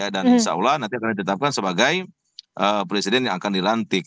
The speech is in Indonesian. dan insya allah nanti akan ditetapkan sebagai presiden yang akan dilantik